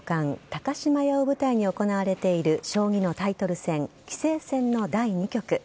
高島屋を舞台に行われている将棋のタイトル戦棋聖戦の第２局。